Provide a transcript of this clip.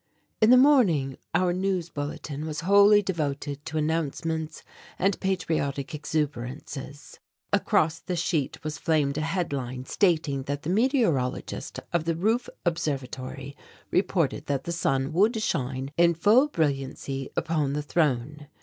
In the morning our news bulletin was wholly devoted to announcements and patriotic exuberances. Across the sheet was flamed a headline stating that the meteorologist of the Roof Observatory reported that the sun would shine in full brilliancy upon the throne.